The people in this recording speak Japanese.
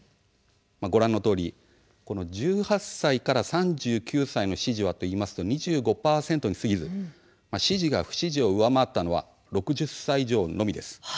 ご覧のとおり１８歳から３９歳の支持はといいますと２５％にすぎず支持が不支持を上回ったのは６０歳以上のみです。